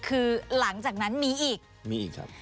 คือหลังจากนั้นมีอีกมีอีกครับ